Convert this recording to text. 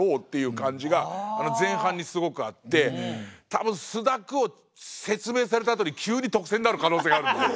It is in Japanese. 多分「すだく」を説明されたあとに急に特選になる可能性があるんですよ。